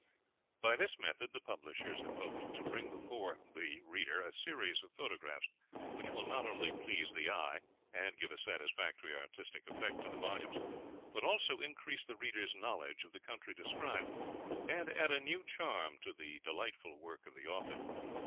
By this method the publishers have hoped to bring before the reader a series of photographs which will not only please the eye and give a satisfactory artistic effect to the volumes, but also increase the reader's knowledge of the country described and add a new charm to the delightful work of the author.